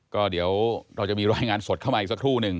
ก็เดี๋ยวเราจะมีรายงานสดเข้ามาอีกสักครู่หนึ่ง